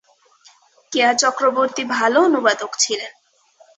কেয়া চক্রবর্তী ভালো অনুবাদক ছিলেন।